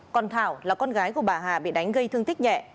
còn thảo là con gái của bà hà bị đánh gây thương tích nhẹ